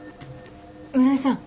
室井さん